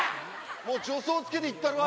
もう助走つけていったるわ。